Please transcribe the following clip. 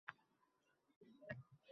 U darrov oʻrnidan turdi